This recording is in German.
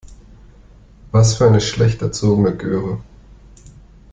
Was für eine schlecht erzogene Göre.